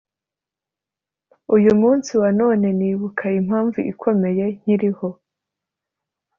uyu munsi wa none nibuka impamvu ikomeye nkiriho